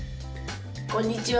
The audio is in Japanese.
こんにちは。